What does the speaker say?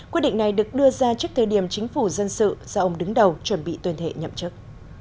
quyết định này được đưa ra trước thời điểm chính phủ dân sự do ông đứng đầu chuẩn bị tuyên thệ nhậm chức